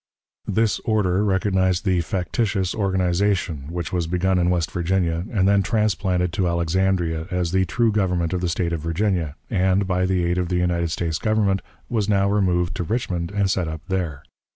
This order recognized the factitious organization, which was begun in West Virginia and then transplanted to Alexandria, as the true government of the State of Virginia, and, by the aid of the United States Government, was now removed to Richmond and set up there.